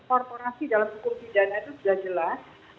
korporasi dalam hukum pidana itu sudah jelas